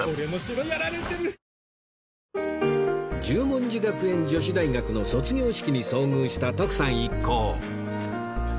十文字学園女子大学の卒業式に遭遇した徳さん一行